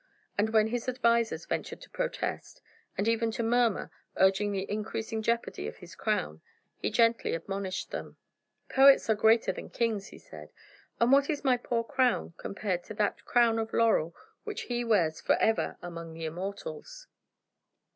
And when his advisers ventured to protest, and even to murmur, urging the increasing jeopardy of his crown, he gently admonished them: "Poets are greater than kings," he said, "and what is my poor crown compared with that crown of laurel which he wears forever among the immortals?"